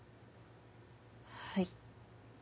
はい。